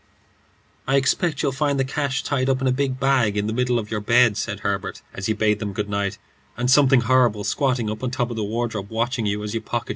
"I expect you'll find the cash tied up in a big bag in the middle of your bed," said Herbert, as he bade them good night, "and something horrible squatting up on top of the wardrobe watching you as you pocket your ill gotten gains."